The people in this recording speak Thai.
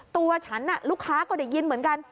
ตัวฉันลูกค้าก็ได้ยินเหมือนกัน